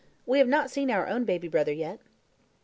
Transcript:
We have not seen our own baby brother yet."